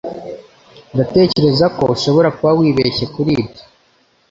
Ndatekereza ko ushobora kuba wibeshye kuri ibyo.